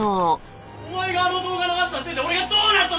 お前があの動画を流したせいで俺がどうなったと思ってる！？